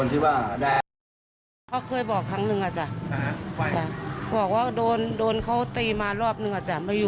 ที่ผ่านมาเขาบอกว่าจะดูแลอย่างดีเลย